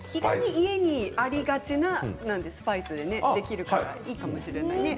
家にありがちなスパイスでできるからいいかもしれないですね。